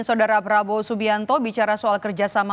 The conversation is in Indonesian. saudara prabowo subianto bicara soal kerjasama